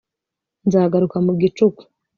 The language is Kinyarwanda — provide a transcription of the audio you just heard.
nzagaruka mu gicuku